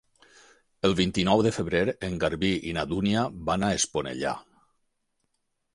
El vint-i-nou de febrer en Garbí i na Dúnia van a Esponellà.